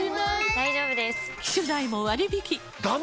大丈夫です！